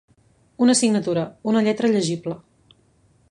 Una signatura, una lletra llegible.